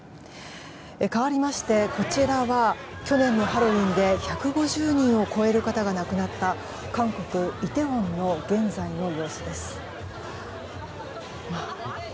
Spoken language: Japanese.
かわりましてこちらは去年のハロウィーンで１５０人を超える方が亡くなった韓国イテウォンの現在の様子です。